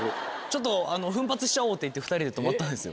ちょっと奮発しちゃおうっていって２人で泊まったんです。